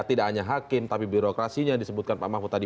tidak hanya hakim tapi birokrasinya disebutkan pak mahfud tadi